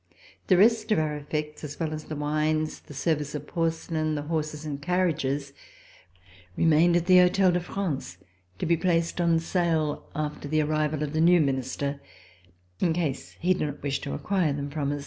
The rest of our effects, as well as the wines, the service of porce lain, the horses and carriages, remained at the Hotel de France to be placed on sale after the arrival of the new Minister, in case he did not wish to acquire them from us.